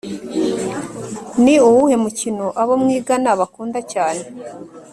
Ni uwuhe mukino abo mwigana bakunda cyane